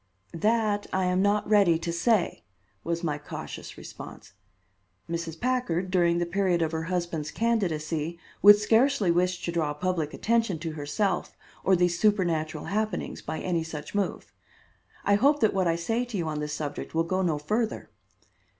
"That I am not ready to say," was my cautious response. "Mrs. Packard, during the period of her husband's candidacy, would scarcely wish to draw public attention to herself or these supernatural happenings by any such move. I hope that what I say to you on this subject will go no further."